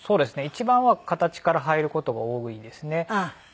一番は形から入る事が多いですね。